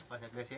pak sekdes ya